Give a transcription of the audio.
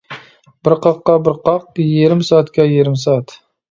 بىر قاققا بىر قاق، يېرىم سائەتكە يېرىم سائەت.